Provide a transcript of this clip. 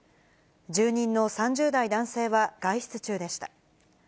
住人の３０代男性は外出中でした。